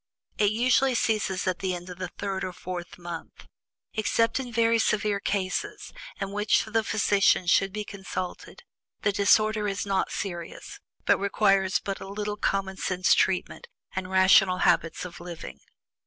It usually ceases at the end of the third or fourth month. Except in very severe cases, in which the physician should be consulted, the disorder is not serious, and requires but a little common sense treatment, and rational habits of living.